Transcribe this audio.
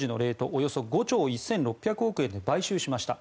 およそ５兆１６００億円で買収しました。